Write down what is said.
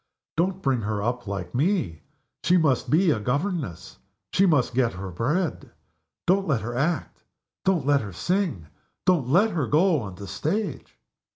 "Don't bring her up like Me! She must be a governess she must get her bread. Don't let her act! don't let her sing! don't let her go on the stage!"